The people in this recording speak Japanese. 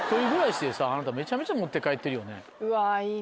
うわいいな。